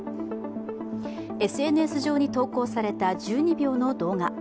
ＳＮＳ上に投稿された１２秒の動画。